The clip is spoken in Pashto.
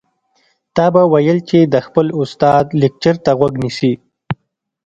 تا به ويل چې د خپل استاد لکچر ته غوږ نیسي.